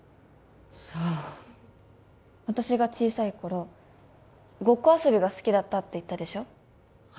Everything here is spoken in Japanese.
そう私が小さい頃ごっこ遊びが好きだったって言ったでしょ？